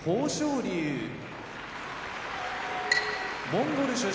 龍モンゴル出身